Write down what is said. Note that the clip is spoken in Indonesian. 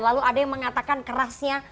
lalu ada yang mengatakan kerasnya